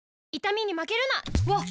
わっ！